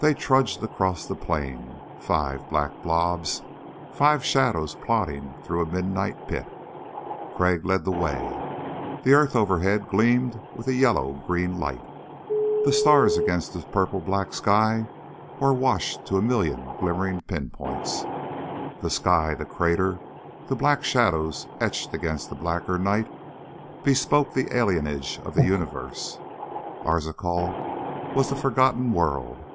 They trudged across the plain five black blobs, five shadows plodding through a midnight pit. Crag led the way. The earth overhead gleamed with a yellow green light. The stars against the purple black sky were washed to a million glimmering pinpoints. The sky, the crater, the black shadows etched against the blacker night bespoke the alienage of the universe. Arzachel was the forgotten world.